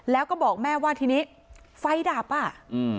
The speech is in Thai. แล้วก็บอกแม่ว่าทีนี้ไฟดับอ่ะอืม